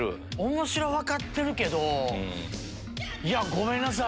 面白分かってるけどいやごめんなさい。